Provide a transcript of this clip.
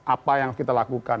apa yang kita lakukan